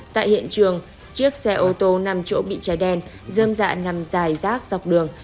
tại hiện trường chiếc xe ô tô năm chỗ bị cháy đen dơm dạ nằm dài rác dọc đường